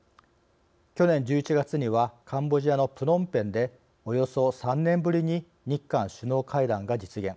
去年１１月には、カンボジアのプノンペンでおよそ３年ぶりに日韓首脳会談が実現。